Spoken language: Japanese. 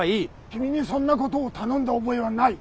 君にそんなことを頼んだ覚えはない。